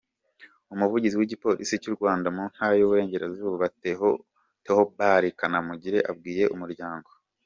Umuvugizi w’Igipolisi cy’u Rwanda mu Ntara y’Uburengerazuba, Theobard Kanamugire abwiye Umuryango.